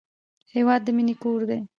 هېواد د مینې کور دی.